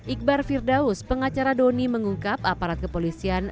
iqbar firdaus pengacara doni mengungkap aparat kepolisian